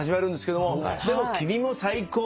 でも君も最高。